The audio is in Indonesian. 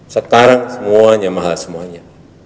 sekarang semuanya mahal semuanya